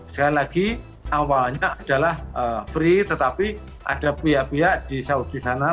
sekali lagi awalnya adalah free tetapi ada pihak pihak di saudi sana